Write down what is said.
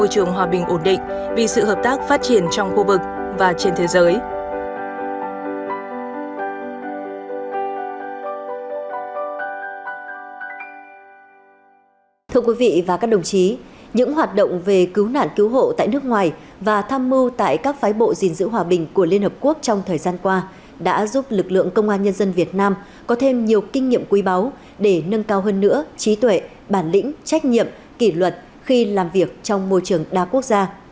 thưa quý vị và các đồng chí những hoạt động về cứu nạn cứu hộ tại nước ngoài và tham mưu tại các phái bộ gìn giữ hòa bình của liên hợp quốc trong thời gian qua đã giúp lực lượng công an nhân dân việt nam có thêm nhiều kinh nghiệm quý báu để nâng cao hơn nữa trí tuệ bản lĩnh trách nhiệm kỷ luật khi làm việc trong môi trường đa quốc gia